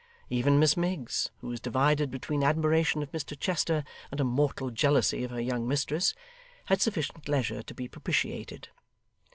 Even Miss Miggs, who was divided between admiration of Mr Chester and a mortal jealousy of her young mistress, had sufficient leisure to be propitiated.